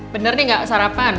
bener nih gak sarapan